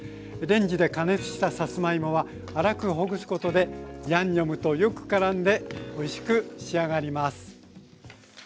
レンジで加熱したさつまいもは粗くほぐすことでヤンニョムとよくからんでおいしく仕上がります。